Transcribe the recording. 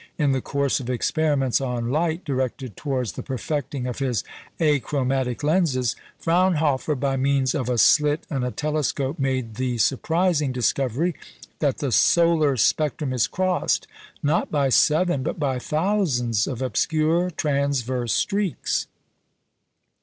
In the course of experiments on light, directed towards the perfecting of his achromatic lenses, Fraunhofer, by means of a slit and a telescope, made the surprising discovery that the solar spectrum is crossed, not by seven, but by thousands of obscure transverse streaks.